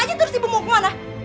kamu ini terus ibu mau kemana